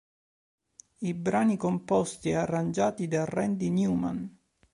Brani composti ed arrangiati da Randy Newman.